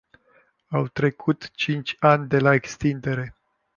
Au trecut cinci ani de la extindere.